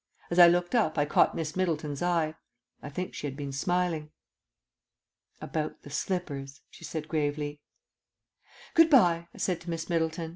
As I looked up I caught Miss Middleton's eye.... I think she had been smiling. "About the slippers," she said gravely. ..... "Good bye," I said to Miss Middleton.